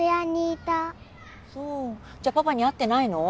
じゃあパパに会ってないの？